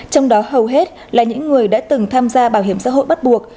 trong đó hầu hết là những người đã từng tham gia bảo hiểm xã hội bắt buộc